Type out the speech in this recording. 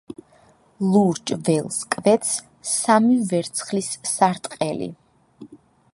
ლურჯ ველს კვეთს სამი ვერცხლის სარტყელი.